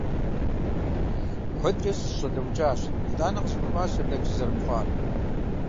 Куэдрэ сызэщӀэдэӀукӀащ, итӀанэ къызгурыӀуащ сэ дэгу сызэрымыхъуар.